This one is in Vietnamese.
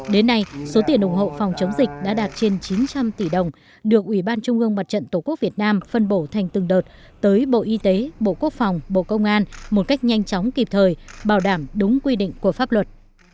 đến nay số tiền ủng hộ phòng chống dịch đã đạt trên chín trăm linh tỷ đồng được ủy ban trung ương mặt trận tổ quốc việt nam phân bổ thành từng đợt tới bộ y tế bộ quốc phòng bộ công an một cách nhanh chóng kịp thời bảo đảm đúng quy định của pháp luật